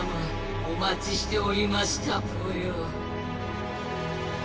おまちしておりましたぽよ。